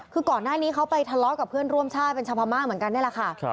คือก่อนหน้านี้เขาไปทะเลาะกับเพื่อนร่วมชาติเป็นชาวพม่าเหมือนกันนี่แหละค่ะ